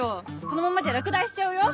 このままじゃ落第しちゃうよ？